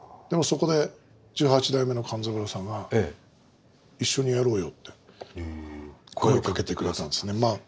でもそこで十八代目の勘三郎さんが「一緒にやろうよ」って声をかけて下さったんですね。